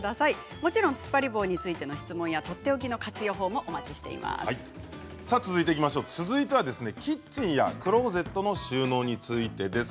もちろん、つっぱり棒について質問やとっておきの活用法も続いてはキッチンやクローゼットの収納についてです。